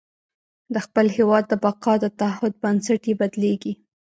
د خپل هېواد د بقا د تعهد بنسټ یې بدلېږي.